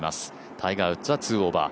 タイガー・ウッズは４オーバー。